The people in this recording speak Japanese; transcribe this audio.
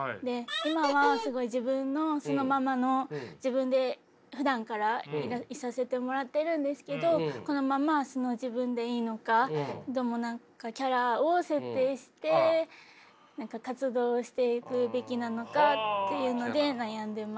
今はすごい自分の素のままの自分でふだんからいさせてもらってるんですけどこのまま素の自分でいいのか何かキャラを設定して活動していくべきなのかっていうので悩んでます。